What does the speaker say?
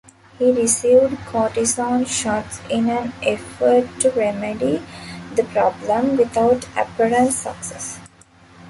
He received cortisone shots in an effort to remedy the problem, without apparent success.